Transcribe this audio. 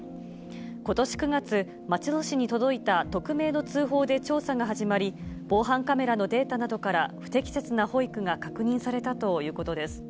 ことし９月、松戸市に届いた匿名の通報で調査が始まり、防犯カメラのデータなどから、不適切な保育が確認されたということです。